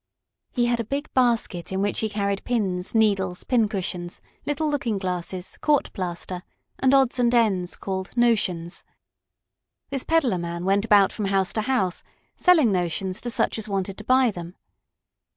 He had a big basket in which he carried pins, needles, pin cushions, little looking glasses, court plaster and odds and ends, called "notions." This peddler man went about from house to house selling notions to such as wanted to buy them.